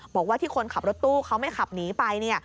บอกว่าที่คนขับรถตู้เขาไม่ขับหนีไป